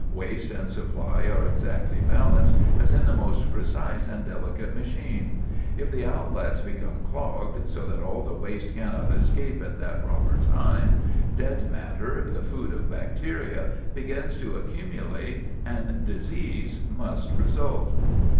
Waste and supply are exactly balanced, as in the most precise and delicate machine. If the outlets become clogged, so that all the waste cannot escape at that proper time, dead matter, the food of bacteria, begins to accumulate, and disease must result.